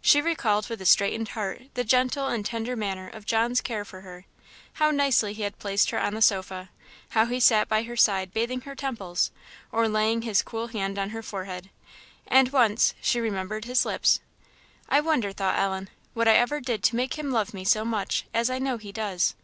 She recalled with a straitened heart the gentle and tender manner of John's care for her; how nicely he had placed her on the sofa; how he sat by her side bathing her temples, or laying his cool hand on her forehead, and once, she remembered, his lips. "I wonder," thought Ellen, "what I ever did to make him love me so much, as I know he does!"